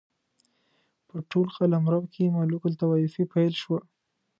په ټول قلمرو کې ملوک الطوایفي پیل شوه.